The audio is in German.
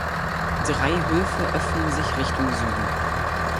Drei Höfe öffnen sich Richtung Süden.